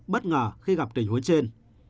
bất ngờ khi gặp tình huống trên